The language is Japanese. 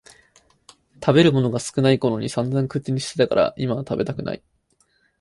食べるものが少ないころにさんざん口にしてたから今は食べたくない